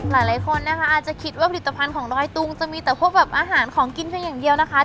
หลายคนนะคะอาจจะคิดว่าผลิตภัณฑ์ของดอยตุงจะมีแต่พวกแบบอาหารของกินเพียงอย่างเดียวนะคะ